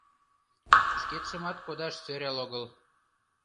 Шкетшымат кодаш сӧрал огыл.